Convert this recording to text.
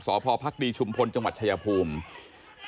สพภักดีชุมพลจังหวัดชายภูมิ